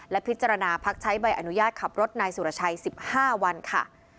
และพิจารณาพักใช้ใบอนุญาตขับรถนายสุรชัย๑๕วันค่ะ